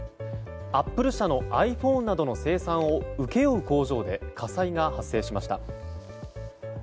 アップル社のｉＰｈｏｎｅなどの生産を請け負う工場で火災が発生しました。